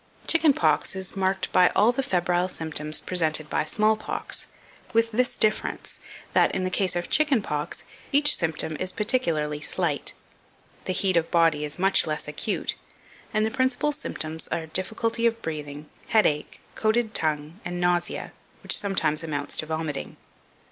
Chicken pox is marked by all the febrile symptoms presented by small pox, with this difference, that, in the case of chicken pox, each symptom is particularly slight. The heat of body is much less acute, and the principal symptoms are difficulty of breathing, headache, coated tongue, and nausea, which sometimes amounts to vomiting.